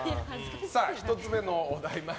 １つ目のお題